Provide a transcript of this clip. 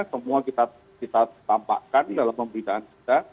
semua kita tampakkan dalam pemberitaan kita